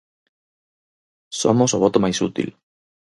Somos o voto máis útil.